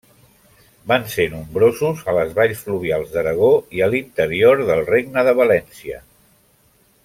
Van ser nombrosos a les valls fluvials d'Aragó i a l'interior del Regne de València.